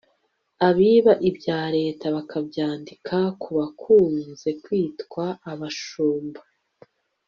abiba ibya leta bakabyadika ku bakunze kwitwa abashumba